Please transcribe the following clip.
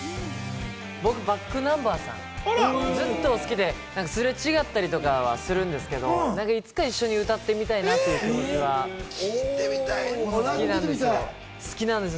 僕、ｂａｃｋｎｕｍｂｅｒさん、ずっと好きで、すれ違ったりとかはするんですけど、いつか一緒に歌ってみたいなっていう気持ちは好きなんですよ。